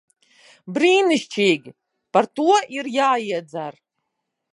Brīnišķīgi. Par to ir jāiedzer.